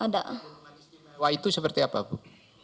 bahwa itu seperti apa bu